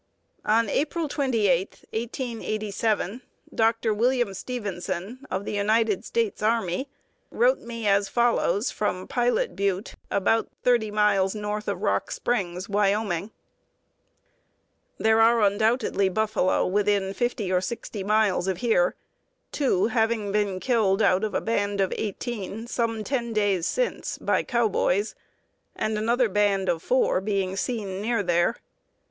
On April 28, 1887, Dr. William Stephenson, of the United States Army, wrote me as follows from Pilot Butte, about 30 miles north of Rock Springs, Wyoming: "There are undoubtedly buffalo within 50 or 60 miles of here, two having been killed out of a band of eighteen some ten days since by cowboys, and another band of four seen near there.